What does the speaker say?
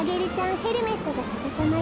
ヘルメットがさかさまよ。